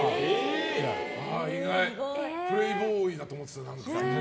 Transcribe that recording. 意外プレイボーイだと思ってた。